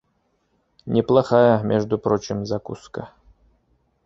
Неплохая, между прочим, закуска.